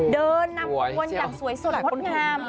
เดินนับบนอย่างสวยห้ดงาม